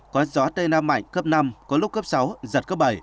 có gió tây nam mạnh cấp năm có lúc cấp sáu giật cấp bảy